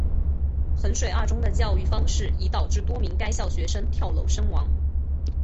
衡水二中的教育方式已导致多名该校学生跳楼身亡。